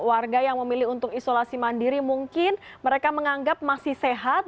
warga yang memilih untuk isolasi mandiri mungkin mereka menganggap masih sehat